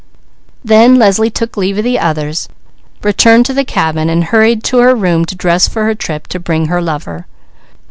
Then Leslie took leave of the others, returned to the cabin, and hurried to her room to dress for her trip to bring her lover.